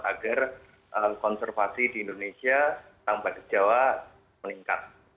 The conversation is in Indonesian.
agar konservasi di indonesia dan badak jawa meningkat